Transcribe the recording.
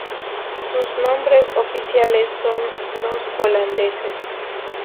Sus nombres oficiales son los holandeses.